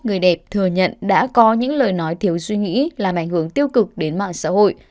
người đẹp thừa nhận đã có những lời nói thiếu suy nghĩ làm ảnh hưởng tiêu cực đến mạng xã hội